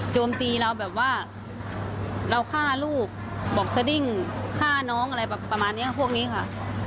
โจมตีเราแบบว่าเราฆ่าลูกบอกสดิ้งฆ่าน้องอะไรประมาณนี้พวกนี้ค่ะ